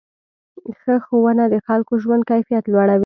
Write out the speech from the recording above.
ښه ښوونه د خلکو ژوند کیفیت لوړوي.